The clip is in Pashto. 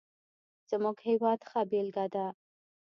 زموږ هېواد ښه بېلګه ده.